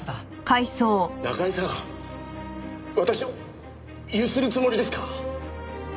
私を強請るつもりですか？